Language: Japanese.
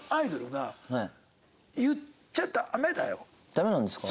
ダメなんですか？